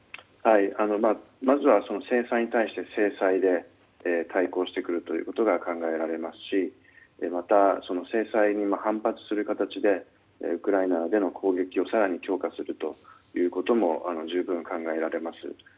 まずは制裁に対して制裁で対抗してくることが考えられますしまた、制裁に反発する形でウクライナでの攻撃を更に強化するということも十分、考えれらます。